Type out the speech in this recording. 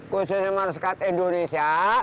khususnya masyarakat indonesia